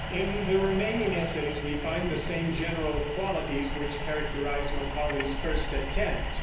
In the remaining essays we find the same general qualities which characterize Macaulay's first attempt.